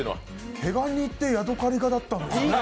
毛ガニってヤドカリ科だったんですね。